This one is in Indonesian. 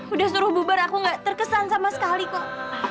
udah suruh bubar aku gak terkesan sama sekali kok